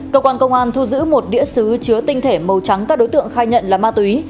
cơ quan công an thu giữ một đĩa xứ chứa tinh thể màu trắng các đối tượng khai nhận là ma túy